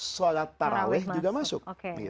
sholat taraweh juga masuk